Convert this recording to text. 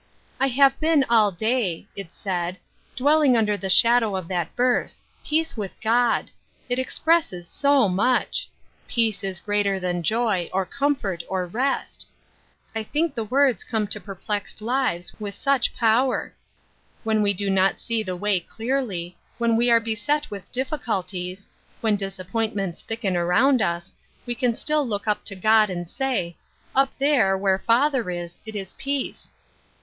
" I have been all day," it said, *' dwelling under the shadow of that verse, ' Peace with God !' It expresses so much ! Peace is greater than joy, or comfort, or rest. I think the words come to perplexed lives with such power. When we do not see the way clearly ; when we are beset with difficulties ; when disap pointments thicken around us, we can still look up to God and say, ' Up there, where Father is, it is peace.'